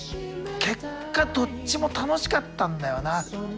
結果どっちも楽しかったんだよな。